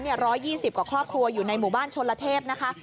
๑๒๐กว่าครอบครัวอยู่ในหมู่บ้านชนละเทพนะคะ